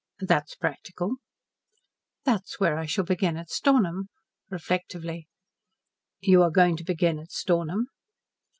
"That is practical." "That is where I shall begin at Stornham," reflectively. "You are going to begin at Stornham?"